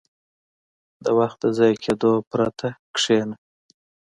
• د وخت د ضایع کېدو پرته کښېنه.